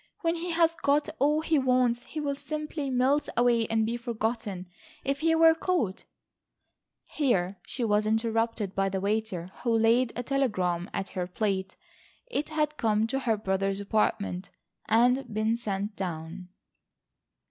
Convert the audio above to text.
"When he has got all he wants he will simply melt away and be forgotten. If he were caught—" Here she was interrupted by the waiter who laid a telegram at her plate. It had come to her brother's apartment, and been sent down.